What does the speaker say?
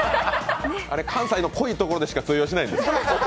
あれ、関西の濃いところでしか通用しないです。